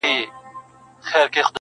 دی وايي چې چا حسن